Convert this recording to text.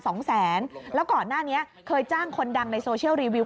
สองแสนแล้วก่อนหน้านี้เคยจ้างคนดังในโซเชียลรีวิว